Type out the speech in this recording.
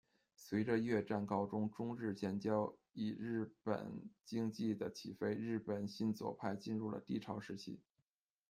随着越战告终、中日建交与日本经济的起飞，日本新左派进入了低潮时期。